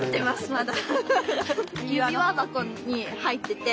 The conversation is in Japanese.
まだ。